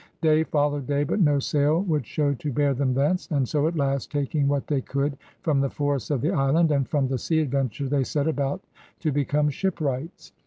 Day followed day, but no sail would show to bear them thence; and so at last, taking what they could from the forests of the island, and from the Sea Adventure, they set about to become shipwrights.